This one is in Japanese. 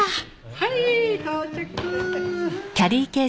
はい到着。